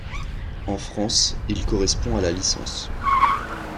En France, il correspond à la licence.